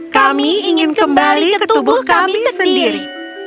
kami ingin kembali ke tubuh kami sendiri